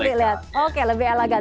lebih enak dilihat oke lebih elegan